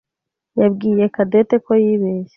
yabwiye Cadette ko yibeshye.